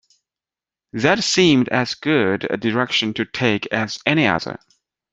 That seemed as good a direction to take as any other.